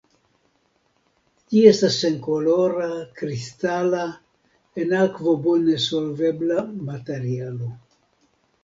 Ĝi estas senkolora, kristala, en akvo bone solvebla materialo.